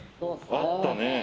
あったね。